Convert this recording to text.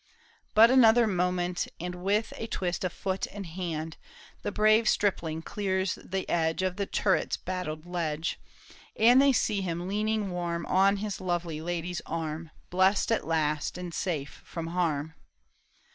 But another moment, and AVith a twist of foot and hand, The brave stripling clears the edge Of the turret's battled ledge, And they see him leaning warm On his lovely lady's arm, Blessed at last and safe from harm.